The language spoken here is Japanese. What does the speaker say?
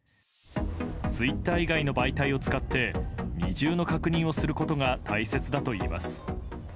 ツイッター以外の媒体を使って二重の確認をすることが大切だといいます。